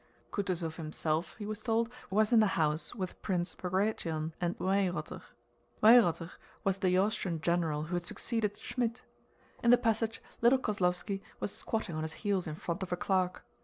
Kutúzov himself, he was told, was in the house with Prince Bagratión and Weyrother. Weyrother was the Austrian general who had succeeded Schmidt. In the passage little Kozlóvski was squatting on his heels in front of a clerk.